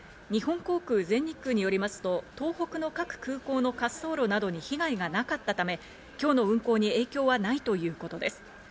日本航空、全日空によりますと、東北の各空港の滑走路などに被害がなかったため、今日の運航に影響はないということです。